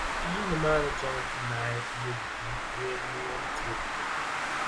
n-yi nimaani chaŋ ti naai Mɛditireniɛn Teeku ni.